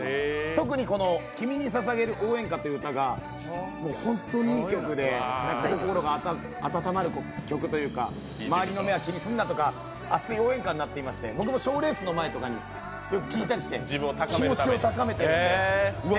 特に「君に捧げる応援歌」という歌が本当にいい曲で心が温まる曲というか「まわりの目は気にすんな」とか、熱い応援歌になっていまして、僕も賞レースの前とかに気持ちを高めてるんで。